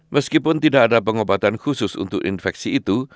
meskipun tidak ada pengobatan khusus untuk infeksi itu